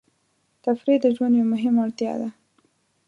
تفریح د ژوند یوه مهمه اړتیا ده.